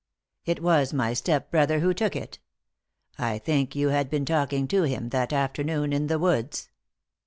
" It was my step brother who took it I think yon had been talking to him that afternoon in the woods."